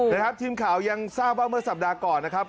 นะครับทีมข่าวยังทราบว่าเมื่อสัปดาห์ก่อนนะครับ